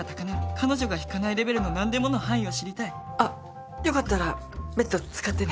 彼女が引かないレベルの何でもの範囲を知りたいあっよかったらベッド使ってね。